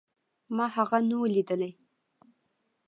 ما هغه نه و ليدلى.